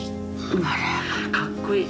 あらかっこいい。